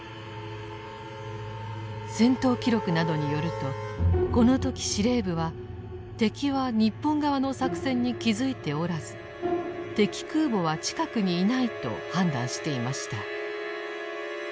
戦闘記録などによるとこの時司令部は敵は日本側の作戦に気付いておらず「敵空母は近くにいない」と判断していました。